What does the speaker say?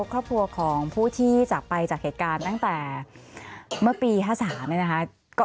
ครอบครัวของผู้ที่จากไปจากเหตุการณ์ตั้งแต่เมื่อปี๕๓เนี่ยนะคะ